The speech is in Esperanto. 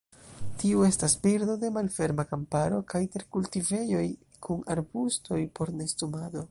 Tiu estas birdo de malferma kamparo kaj terkultivejoj, kun arbustoj por nestumado.